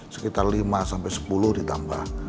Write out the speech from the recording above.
sekitar lima sampai sepuluh ditambah